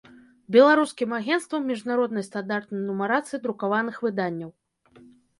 Беларускiм агенцтвам мiжнароднай стандартнай нумарацыi друкаваных выданняў.